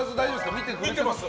見てくれていますか。